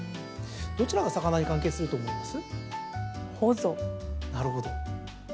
どちらが魚に関係すると思います？